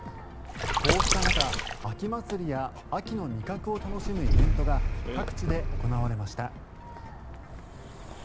こうした中、秋祭りや秋の味覚を楽しむイベントが各地で行われました。